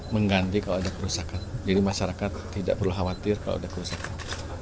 mengganti kalau ada kerusakan jadi masyarakat tidak perlu khawatir kalau ada kerusakan